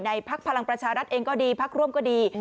พักพลังประชารัฐเองก็ดีพักร่วมก็ดี